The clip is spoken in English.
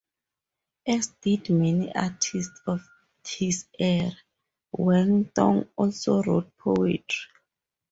As did many artists of his era, Wen Tong also wrote poetry.